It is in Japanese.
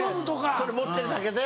それ持ってるだけで。